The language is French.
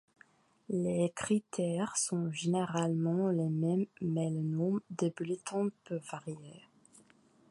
Les critères sont généralement les mêmes mais le nom des bulletins peut varier.